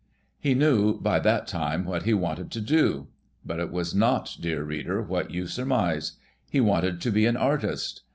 He knew by that time what he wanted to do. But it was not, dear reader, what you surmise. He wanted to be an artist.